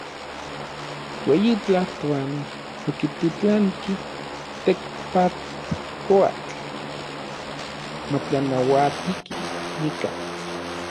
Ueyi Tlajtoani okititlanki Tekpatkoatl matlanauatiki nikan.